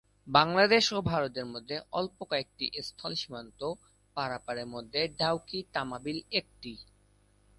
বাংলাদেশ এবং ভারতের মধ্যে অল্প ক’টি স্থল সীমান্ত পারাপারের মধ্যে ডাউকি-তামাবিল একটি।